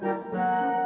ya ya gak